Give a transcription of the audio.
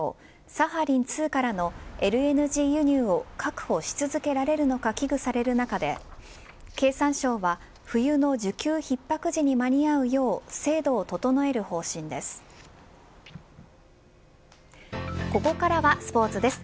サハリン２からのＬＮＧ輸入を確保し続けられるのか危惧される中で経産省は冬の需給ひっ迫時に間にあうよう制度を整える方針です。